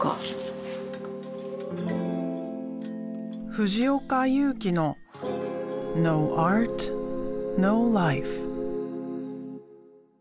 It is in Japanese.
藤岡祐機のｎｏａｒｔ，ｎｏｌｉｆｅ。